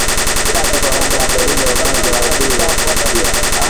Kutupa mimba ni dalili ya ugonjwa wan dui kwa ngamia